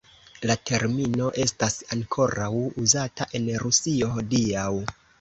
La termino estas ankoraŭ uzata en Rusio hodiaŭ.